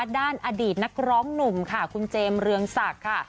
ด้านอดีตนักร้องหนุ่มค่ะคุณเจมส์เรืองศักดิ์ค่ะ